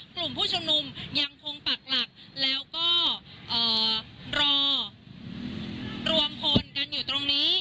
กลุ่มผู้ชุมนุมยังคงปักหลักแล้วก็รอรวมพลกันอยู่ตรงนี้